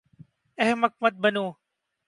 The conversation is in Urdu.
احمق مت بنو